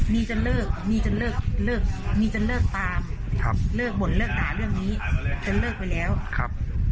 มีจนเลิกมีจนเลิกเลิกมีจนเลิกตามครับเลิกบ่นเลิกด่าเรื่องนี้จนเลิกไปแล้วครับ